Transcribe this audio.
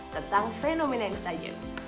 tentang fenomena instajam